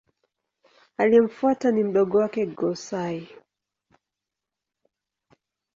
Aliyemfuata ni mdogo wake Go-Sai.